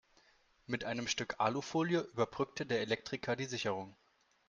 Mit einem Stück Alufolie überbrückte der Elektriker die Sicherung.